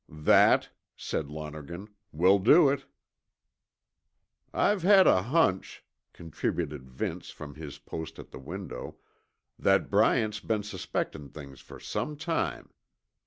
"That," said Lonergan, "will do it." "I've had a hunch," contributed Vince from his post at the window, "that Bryant's been suspectin' things for some time.